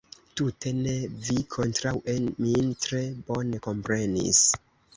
Tute ne: vi kontraŭe min tre bone komprenis.